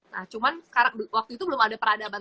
nah cuman sekarang waktu itu belum ada peradaban